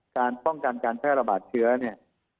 การป้องกันการแพร่ระบาดเชื้อเนี่ย